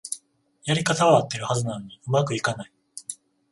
やり方はあってるはずなのに上手くいかない